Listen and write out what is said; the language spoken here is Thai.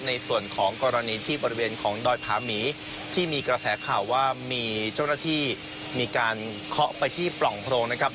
ในส่วนของกรณีที่บริเวณของดอยผาหมีที่มีกระแสข่าวว่ามีเจ้าหน้าที่มีการเคาะไปที่ปล่องโพรงนะครับ